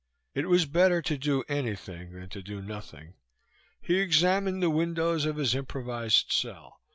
It was better to do anything than to do nothing. He examined the windows of his improvised cell.